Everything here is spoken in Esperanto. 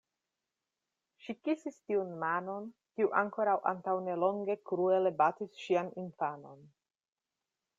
Ŝi kisis tiun manon, kiu ankoraŭ antaŭ nelonge kruele batis ŝian infanon.